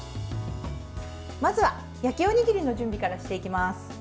まずは、焼きおにぎりの準備からしていきます。